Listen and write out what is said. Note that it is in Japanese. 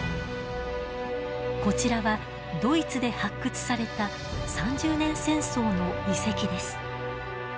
こちらはドイツで発掘された三十年戦争の遺跡です。